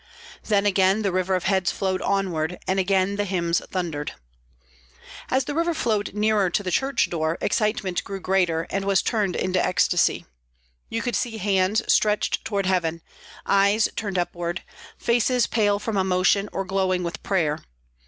Then again the river of heads flowed onward, and again the hymns thundered. As the river flowed nearer to the church door, excitement grew greater, and was turned into ecstasy. You could see hands stretched toward heaven, eyes turned upward, faces pale from emotion or glowing with prayer.